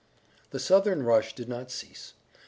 The Southern rush did not cease.